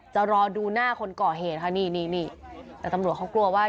จะรอดูหน้าคนก่อเหตุค่ะนี่นี่แต่ตำรวจเขากลัวว่า